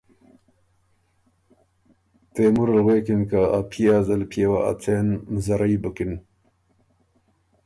تېمور ال غوېکِن که ا پئے ا زلپئے وه ا څېن مزرئ بُکِن